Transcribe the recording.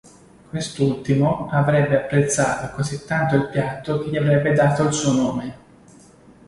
Quest'ultimo avrebbe apprezzato così tanto il piatto che gli avrebbe dato il suo nome.